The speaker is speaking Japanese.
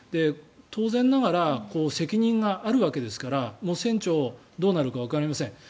当然ながら責任があるわけですから船長、どうなるかわかりません。